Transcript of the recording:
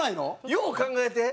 よう考えて。